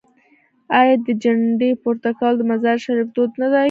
آیا د جنډې پورته کول د مزار شریف دود نه دی؟